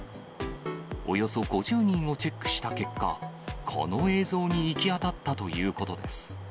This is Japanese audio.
およそ５０人をチェックした結果、この映像に行き当たったということです。